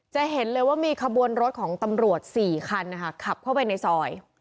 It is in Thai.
จะเห็นเลยว่ามีขบวนรถของตำรวจ๔คันขับเข้าไปในซอย